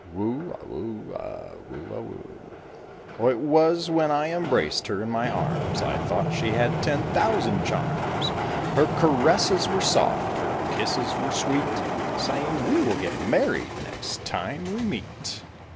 Whoo a whoo a whoo a whoo. Oh, it was when I embraced her in my arms I thought she had ten thousand charms; Her caresses were soft, her kisses were sweet, Saying, "We will get married next time we meet."